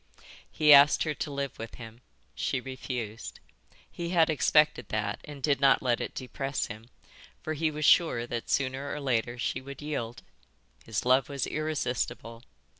He asked her to live with him. She refused. He had expected that and did not let it depress him, for he was sure that sooner or later she would yield. His love was irresistible.